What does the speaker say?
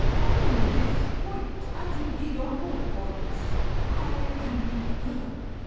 On this point, as indeed on all points, I am firm.